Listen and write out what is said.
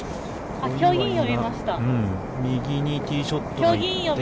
右にティーショットを打って。